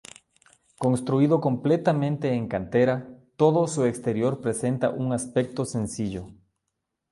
Construido completamente en cantera, todo su exterior presenta un aspecto sencillo.